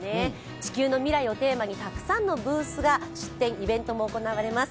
地球の未来をテーマにたくさんのブースが出店、イベントも行われます。